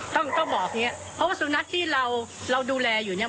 ต้องบอกเพราะว่าสุนัขที่เราดูแลอยู่เนี่ย